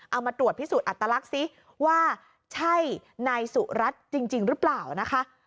เอามาตรวจพิสูจน์อัตลักษณ์ซิว่าใช่นายสุรัตน์จริงหรือเปล่านะคะ